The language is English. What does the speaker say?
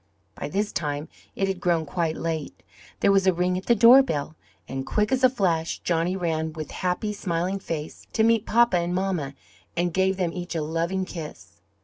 By this time it had grown quite late. There was a ring at the door bell; and quick as a flash Johnny ran, with happy, smiling face, to meet papa and mamma and gave them each a loving kiss.